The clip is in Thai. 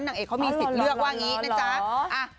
นางเอกเขามีสิทธิ์เลือกว่าอย่างนี้นะจ๊ะ